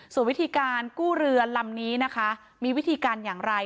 ส่วนวิธีการกู้เรือลำนี้นะคะมีวิธีการอย่างไร